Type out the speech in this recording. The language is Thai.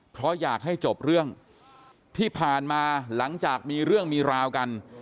เพราะอยากให้จบเรื่องที่ผ่านมาหลังจากมีเรื่องมีราวกัน